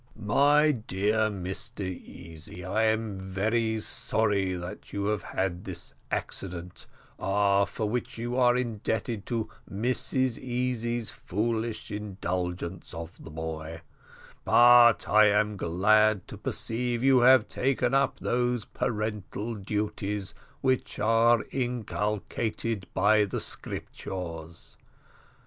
"My dear Mr Easy, I am very sorry that you have had this accident, for which you are indebted to Mrs Easy's foolish indulgence of the boy; but I am glad to perceive that you have taken up those parental duties which are inculcated by the Scriptures.